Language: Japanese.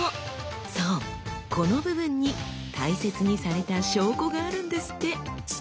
そうこの部分に大切にされた証拠があるんですって。